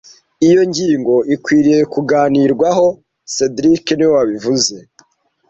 Iyo ngingo ikwiriye kuganirwaho cedric niwe wabivuze